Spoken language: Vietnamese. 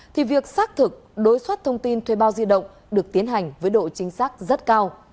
thì việc xác thực đối xuất thông tin thuê bao di động được tiến hành với độ chính xác rất cao